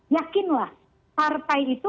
yakinlah partai itu